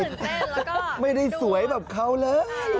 รู้สึกตื่นเต้นแล้วก็ไม่ได้สวยแบบเขาหรือ